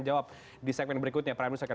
jawab di segmen berikutnya prime news akan